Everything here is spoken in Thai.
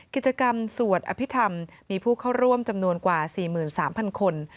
กิจกรรมสวดอภิษฐรรมมีผู้เข้าร่วมจำนวนกว่า๔๓๐๐คน